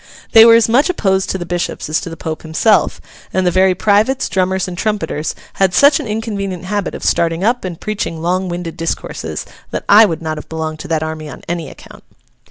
They were as much opposed to the Bishops as to the Pope himself; and the very privates, drummers, and trumpeters, had such an inconvenient habit of starting up and preaching long winded discourses, that I would not have belonged to that army on any account.